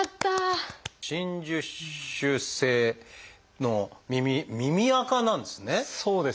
真珠腫性の耳耳あかなんですね。